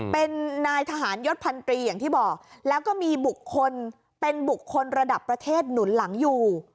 เป็นนายทหารยศพันตรีอย่างที่บอกแล้วก็มีบุคคลเป็นบุคคลระดับประเทศหนุนหลังอยู่